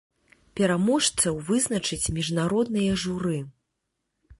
Пераможцаў вызначыць міжнароднае журы.